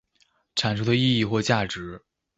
產出的意義或價值